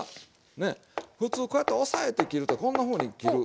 ねっふつうこうやって押さえて切るとこんなふうに切る。